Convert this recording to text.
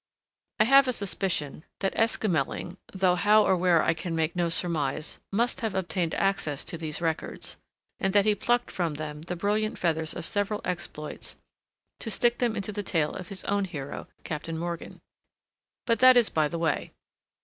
I have a suspicion that Esquemeling though how or where I can make no surmise must have obtained access to these records, and that he plucked from them the brilliant feathers of several exploits to stick them into the tail of his own hero, Captain Morgan. But that is by the way.